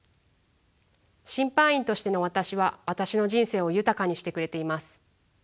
審判員としての私は私の人生を豊かにしてくれています。